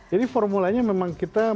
jadi formulanya memang kita